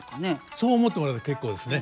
そう思ってもらえば結構ですね。